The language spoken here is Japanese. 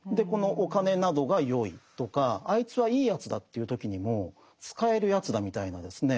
お金などがよいとかあいつはいいやつだとか言う時にも使えるやつだみたいなですね